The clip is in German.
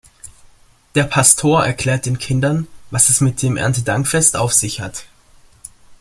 Der Pastor erklärt den Kindern, was es mit dem Erntedankfest auf sich hat.